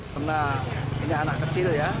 karena ini anak kecil ya